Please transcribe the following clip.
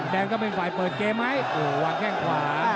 ก็เป็นฝ่ายเปิดเกมไหมวางแข้งขวา